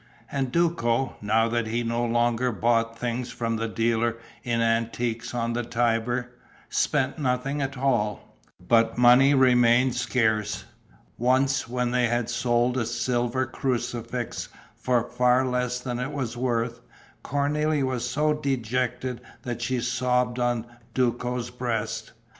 And Duco, now that he no longer bought things from the dealer in antiques on the Tiber, spent nothing at all. But money remained scarce. Once, when they had sold a silver crucifix for far less than it was worth, Cornélie was so dejected that she sobbed on Duco's breast.